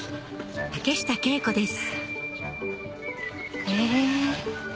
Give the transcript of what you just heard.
竹下景子ですへぇ。